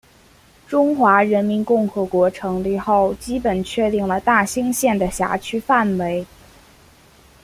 中华人民共和国成立后基本确定了大兴县的辖区范围。